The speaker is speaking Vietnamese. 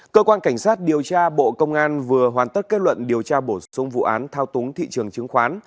cơ quan cảnh sát điều tra bộ công an vừa hoàn tất kết luận điều tra bổ sung vụ án thao túng thị trường chứng khoán